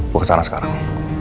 gue kesana sekarang